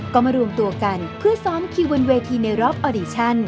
ก็มารวมตัวกันเพื่อซ้อมคิวบนเวทีในรอบออดิชั่น